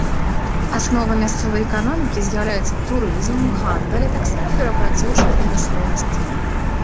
Асновай мясцовай эканомікі з'яўляюцца турызм, гандаль, а таксама перапрацоўчая прамысловасць.